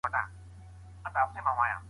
د ټولنې پرېکړې د سياست د لارې کيږي.